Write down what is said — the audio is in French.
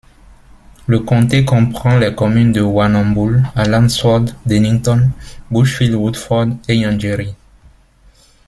Le comté comprend les communes de Warrnambool, Allansford, Dennington, Bushfield-Woodford et Yangery.